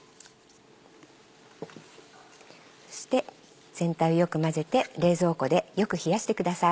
そして全体をよく混ぜて冷蔵庫でよく冷やしてください。